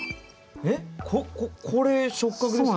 えっこれ触角ですか？